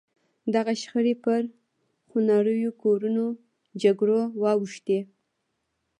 دغه شخړې پر خونړیو کورنیو جګړو واوښتې.